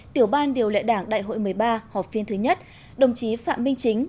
tiểu ban điều lệ đảng đại hội một mươi ba họp phiên thứ nhất đồng chí phạm minh chính